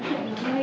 sợ bị phạt ý